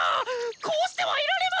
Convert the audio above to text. こうしてはいられませんぞ！